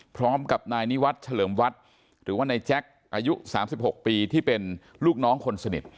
พร้อมกับนายนิวัฒน์เฉลิมวัดหรือว่านายแจ็คอายุ๓๖ปีที่เป็นลูกน้องคนสนิท